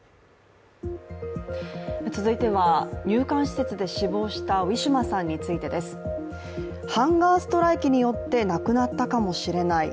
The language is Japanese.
続いては、入管施設で死亡したウィシュマさんについてです。ハンガーストライキによって亡くなったかもしれない。